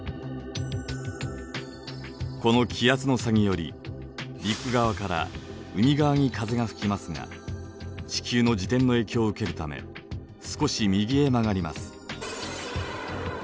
この気圧の差により陸側から海側に風が吹きますが地球の自転の影響を受けるため少し右へ曲がります。